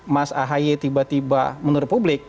mas ahaye tiba tiba menurut publik